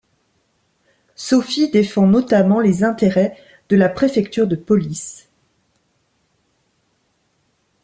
Sophie défend notamment les intérêts de la préfecture de police.